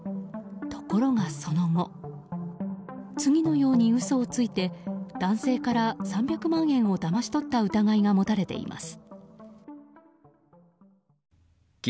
ところが、その後次のように嘘をついて男性から３００万円をだまし取った疑いが持たれています。